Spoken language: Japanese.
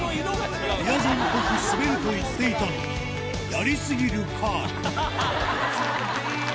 みやぞんっぽく滑ると言っていたがやりすぎるカール